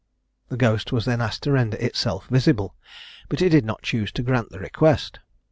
The ghost was then asked to render itself visible, but it did not choose to grant the request.